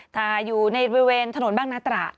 แต่อยู่ในบริเวณถนนบ้างนาตราด